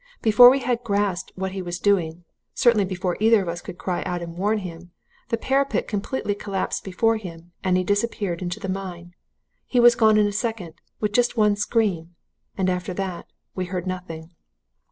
Before we had grasped what he was doing, certainly before either of us could cry out and warn him, the parapet completely collapsed before him and he disappeared into the mine! He was gone in a second with just one scream. And after that we heard nothing.